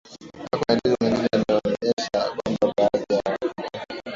Yako maelezo mengine yanayoonesha kwamba baadhi ya Wajita